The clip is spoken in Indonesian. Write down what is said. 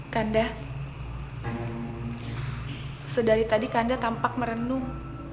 kanda sedari tadi kanda tampak merenung